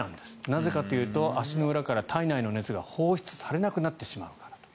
なぜかというと足の裏から体内の熱が放出されなくなってしまうから。